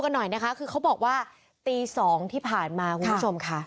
หน่อยนะคะคือเขาบอกว่าตีสองที่ผ่านมาคุณผู้ชมค่ะ